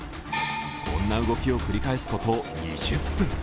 こんな動きを繰り返すこと２０分。